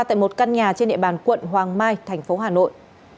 tại một căn nhà trên địa bàn quận hoàng mai thành phố hà nội